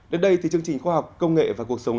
đến đây thì chương trình khoa học công nghệ và cuộc sống